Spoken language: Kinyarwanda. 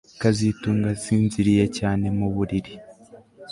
kazitunga asinziriye cyane mu buriri